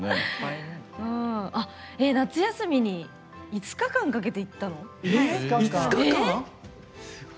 夏休みに５日間かけて行ったの？